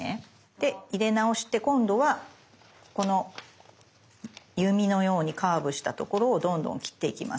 で入れ直して今度はこの弓のようにカーブしたところをどんどん切っていきます。